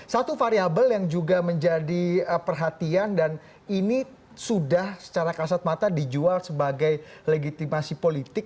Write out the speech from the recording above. satu variable yang juga menjadi perhatian dan ini sudah secara kasat mata dijual sebagai legitimasi politik